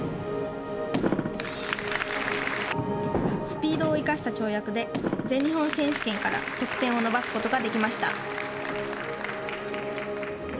スピードを生かした跳躍で全日本選手権から得点を伸ばすことができました。